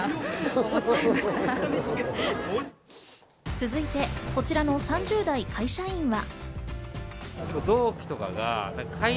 続いてこちらの３０代会社員は。